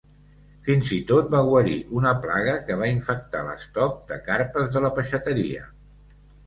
Fins i tot va guarir una plaga que va infectar l'estoc de carpes de la peixateria.